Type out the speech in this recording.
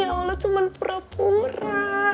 ya allah cuma pura pura